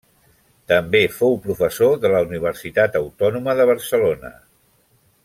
També fou professor de la Universitat Autònoma de Barcelona.